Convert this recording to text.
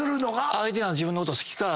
相手が自分のこと好きか。